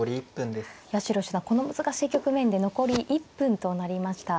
八代七段この難しい局面で残り１分となりました。